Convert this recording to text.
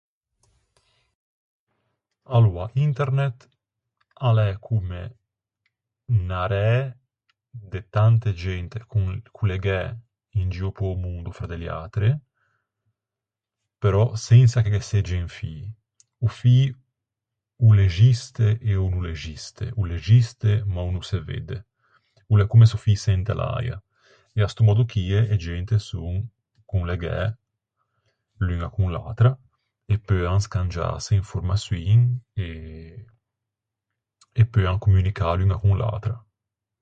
Aloa, Internet a l'é comme unna ræ de tante gente con- conlegæ in gio pe-o mondo fra de liatre, però sensa che ghe segge un fî. O fî o l'existe e o no l'existe. O l'existe ma o no se vedde. O l'é comme s'o fïse inte l'äia. E à sto mòddo chie e gente son conlegæ l'uña con l'atra, e peuan scangiâse informaçioin e... e peuan communicâ l'uña con l'atra.